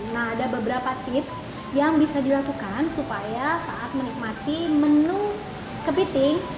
nah ada beberapa tips yang bisa dilakukan supaya saat menikmati menu kepiting